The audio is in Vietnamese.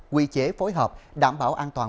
quy chế phối hợp đảm bảo an toàn